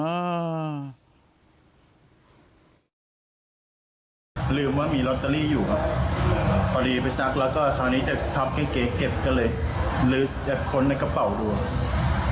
ลืมว่ามีล็อตเตอรี่อยู่ครับพอดีไปซักแล้วก็คราวนี้จะพับเก๋เก็บกันเลย